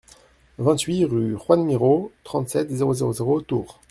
vingt-huit rue Juan Miro, trente-sept, zéro zéro zéro, Tours